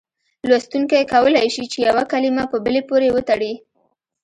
لوستونکی کولای شي چې یوه کلمه په بلې پورې وتړي.